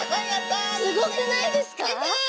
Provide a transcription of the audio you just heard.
すごくないですか？